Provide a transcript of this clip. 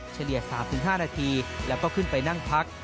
เฉลี่ย๓๕นาทีแล้วก็ขึ้นไปนั่งพัก